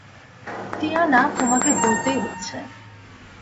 Tiana, তোমাকে বলতেই হচ্ছে।